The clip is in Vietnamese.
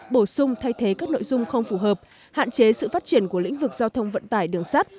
bổ sung thay thế các nội dung không phù hợp hạn chế sự phát triển của lĩnh vực giao thông vận tải đường sắt